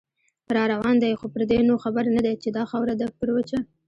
راروان دی خو پردې نو خبر نه دی، چې دا خاوره ده پر وچه